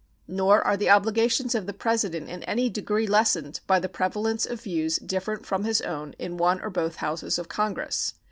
Nor are the obligations of the President in any degree lessened by the prevalence of views different from his own in one or both Houses of Congress.